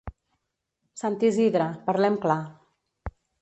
Sant Isidre, parlem clar.